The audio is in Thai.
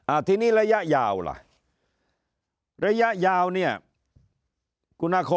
อาทินี้ระยะยาวล่ะระยะยาวเนี่ยคุณอาคมบอกว่า